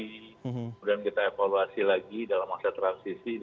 kemudian kita evaluasi lagi dalam masa transisi